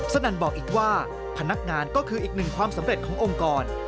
นั่นบอกอีกว่าพนักงานก็คืออีกหนึ่งความสำเร็จขององค์กร